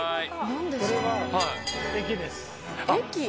これは駅です。